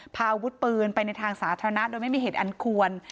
พาอาวุธปืนไปในทางสาธารณะโดยไม่มีเหตุอันควร